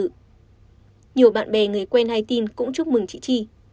nhiều bạn bè người quen hay tin cũng chúc mừng chị chi